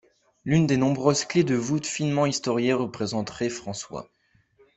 L’une des nombreuses clefs de voûte finement historiées représenterait François.